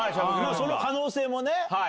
その可能性もね。